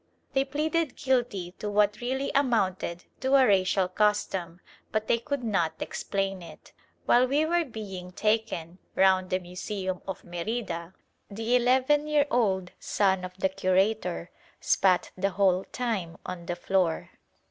They pleaded guilty to what really amounted to a racial custom, but they could not explain it. While we were being taken round the Museum of Merida, the eleven year old son of the curator spat the whole time on the floor.